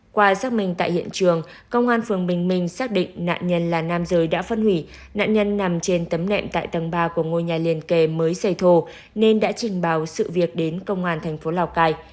qua xác minh tại hiện trường công an phường bình minh xác định nạn nhân là nam giới đã phân hủy nạn nhân nằm trên tấm nệm tại tầng ba của ngôi nhà liên kề mới xây thù nên đã trình báo sự việc đến công an thành phố lào cai